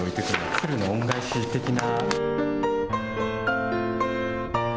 鶴の恩返し的な。